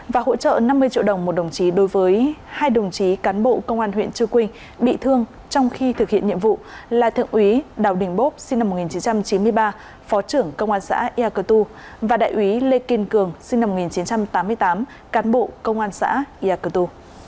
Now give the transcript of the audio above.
và hỗ trợ năm mươi triệu đồng một đồng chí đối với hai đồng chí cán bộ công an huyện chư quynh bị thương trong khi thực hiện nhiệm vụ là thượng úy đào đình bốp sinh năm một nghìn chín trăm chín mươi ba phó trưởng công an xã ia cơ tu và đại úy lê kiên cường sinh năm một nghìn chín trăm tám mươi tám cán bộ công an xã ya cơ tu